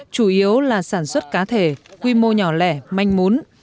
chủ yếu là sản xuất cá thể quy mô nhỏ lẻ manh mún